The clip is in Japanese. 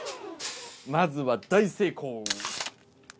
まずは大成功。